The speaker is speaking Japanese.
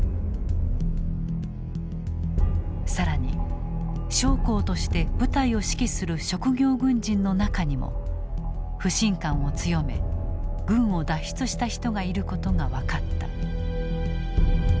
更に将校として部隊を指揮する職業軍人の中にも不信感を強め軍を脱出した人がいることが分かった。